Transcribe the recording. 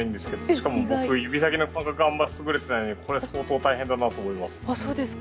しかも僕、指先の感覚があんまり優れてないのでこれ、相当大変だなと思います。